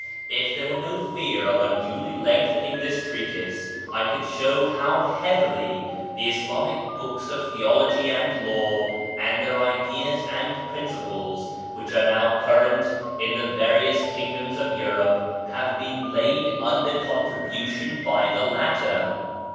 If there were no fear of unduly lengthening this treatise, I could show how heavily the Islamic books of theology and law, and their ideas and principles, which are now current in the various kingdoms of Europe, have been laid under contribution by the latter.